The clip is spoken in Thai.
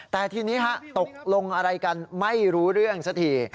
แต่ทีนี้ฮะตกลงอะไรกันไม่รู้เรื่องสักที